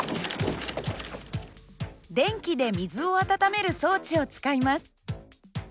電気で水を温める装置を使います。